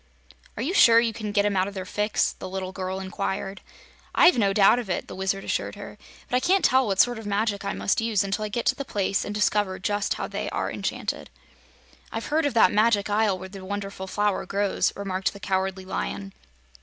"Are you sure you can get 'em out of their fix?" the little girl inquired. "I've no doubt of it," the Wizard assured her. "But I can't tell what sort of magic I must use until I get to the place and discover just how they are enchanted." "I've heard of that Magic Isle where the Wonderful Flower grows," remarked the Cowardly Lion.